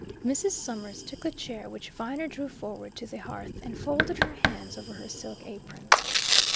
Mrs. Summers took the chair which Viner drew forward to the hearth and folded her hands over her silk apron.